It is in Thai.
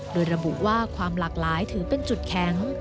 โดยระบุว่าความหลากหลายถือเป็นจุดแข็ง